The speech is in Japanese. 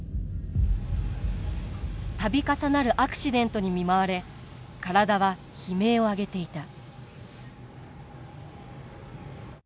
度重なるアクシデントに見舞われ体は悲鳴を上げていた。